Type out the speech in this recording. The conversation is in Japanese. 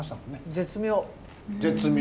絶妙！